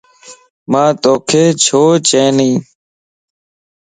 مان توک ڇو چين يَ